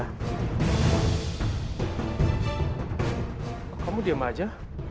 pakai kamu diam aja